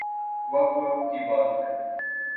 وقت وقت کی بات ہے